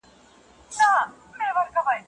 شاګرد باید د خپل استاد درناوی وکړي.